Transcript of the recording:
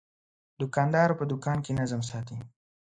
دوکاندار په دوکان کې نظم ساتي.